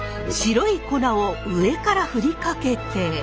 白い粉を上から振りかけて。